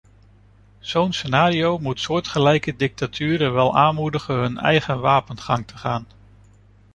Zo'n scenario moet soortgelijke dictaturen wel aanmoedigen hun eigen wapengang te gaan.